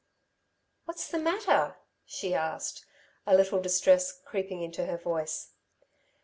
"What's the matter?" she asked, a little distress creeping into her voice.